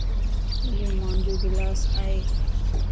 ايو مانجو گلاس ائي